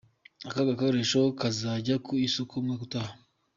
Aka gakoresho kazajya ku isoko umwaka utaha.